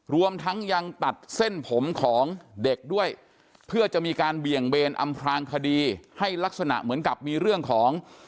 รวมทั้งยังตัดเส้นผมของเด็กด้วยเพื่อจะมีการเบี่ยงเบนอำพลางคดีให้ลักษณะเหมือนกับมีเรื่องของ